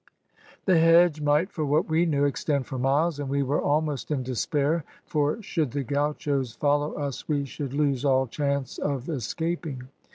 "The hedge might, for what we knew, extend for miles, and we were almost in despair; for should the gauchos follow us we should lose all chance of escaping.